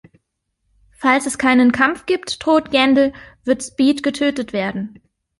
Falls es keinen Kampf gibt, droht Gandil, wird Speed getötet werden.